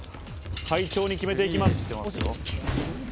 快調に決めていきます。